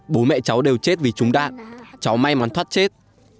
bố mẹ cháu đều chết vì trúng đạn cháu may mắn thoát chết